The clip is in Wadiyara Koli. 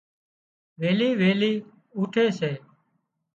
ويلي ويلي اُوٺي سي